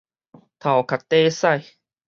頭殼貯屎